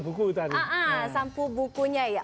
buku tadi sampul bukunya ya